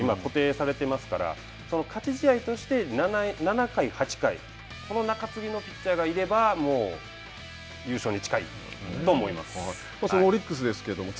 このクローザーは平野選手で今固定されてますから勝ち試合として７回、８回この中継ぎのピッチャーがいればもう優勝に近いと思います。